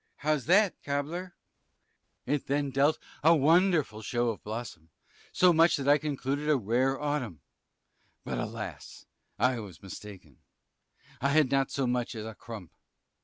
Sir B. How's that, cobbler? Cris. It then dealt a wonderful show of blossom, so much that I concluded a rare autumn; but, alas! I was mistaken; I had not so much as a crump.